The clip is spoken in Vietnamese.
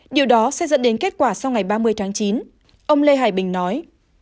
điều đó sẽ dẫn đến kết quả sau ngày ba mươi tháng chín ông lê hải bình nói